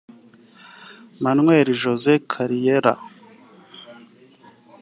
Manuel José Carreira